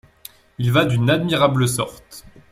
Il va d’une admirable sorte !